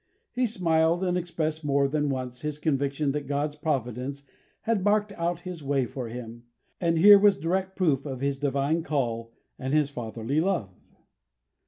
He smiled, and expressed more than once his conviction that God's Providence had marked out his way for him, and here was direct proof of His divine call and His fatherly love.